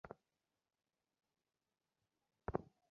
তারা এখন যে কোন রণাঙ্গনে ত্রাস সৃষ্টি করতে সক্ষম।